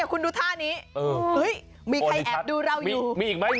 คุณดูธ่านี้มีไอคนอ่ะนี่ดูเร่องัย